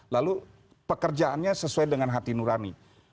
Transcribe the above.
lalu pekerjaannya sesuai dengan hati nurani